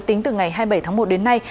tính từ ngày hai mươi bảy tháng một đến nay